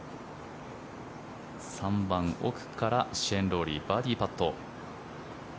３番奥からシェーン・ロウリーバーディーパット。